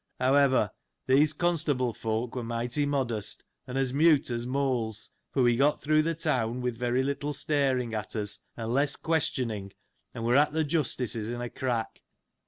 However, these constable folk were mighty modest, and as mute as moles ; for we got through the town, with very little staring at us, and less questioning, and were at th' Justice's in a crack.